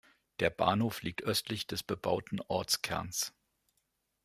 Der Bahnhof liegt östlich des bebauten Ortskerns.